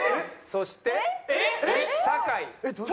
そして酒井。